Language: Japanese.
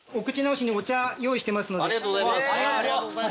ありがとうございます。